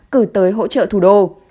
cử tới hỗ trợ thủ đô